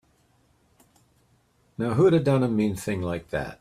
Now who'da done a mean thing like that?